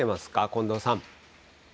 近藤さん。